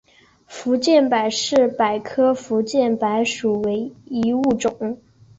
福建柏是柏科福建柏属唯一物种。